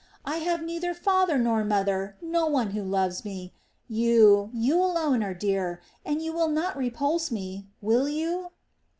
I have neither father nor mother, no one who loves me. You, you alone are dear, and you will not repulse me, will you?"